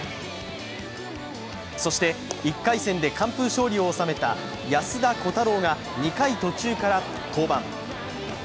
そして１回戦で完封勝利を収めた安田虎汰郎が２回途中から登板。